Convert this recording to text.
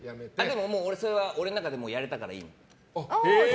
でも俺、それは俺の中でやれたからいいの。